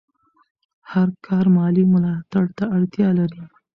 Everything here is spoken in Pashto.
هر کار مالي ملاتړ ته اړتیا لري.